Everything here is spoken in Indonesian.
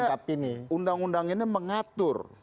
maka dia undang undang ini mengatur